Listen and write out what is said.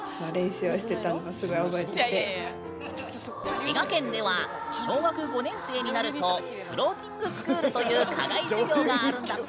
滋賀県では小学５年生になるとフローティングスクールという課外授業があるんだって。